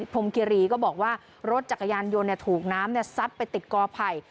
พรมคิรีก็บอกว่ารถจักรยานยนต์ถูกน้ำซัดไปติดกอไผ่